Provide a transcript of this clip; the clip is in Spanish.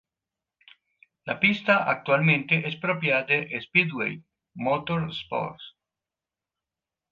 La pista actualmente es propiedad de Speedway Motorsports.